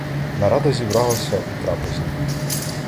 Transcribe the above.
Нарада зібралася у трапезній.